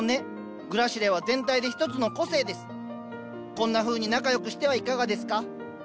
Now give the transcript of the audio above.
こんなふうに仲良くしてはいかがですか？